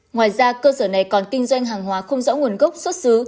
ngoài ra cơ sở này còn kinh doanh hàng hóa không rõ nguồn gốc xuất xứ